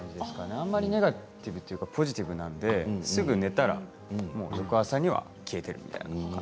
あまりネガティブというかポジティブなので、すぐに寝たら翌朝には消えているみたいな。